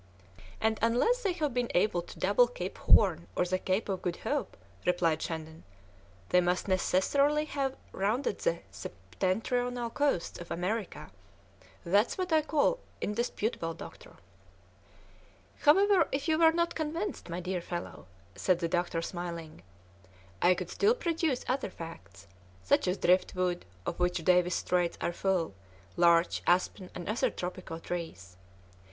"And unless they have been able to double Cape Horn or the Cape of Good Hope," replied Shandon, "they must necessarily have rounded the septentrional coasts of America that's what I call indisputable, doctor." "However, if you were not convinced, my dear fellow," said the doctor, smiling, "I could still produce other facts, such as drift wood, of which Davis's Straits are full, larch, aspen, and other tropical trees.